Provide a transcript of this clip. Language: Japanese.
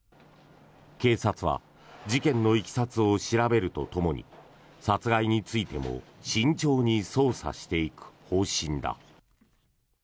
警察は事件のいきさつを調べるとともに殺害についても慎重に捜査していく方針だ。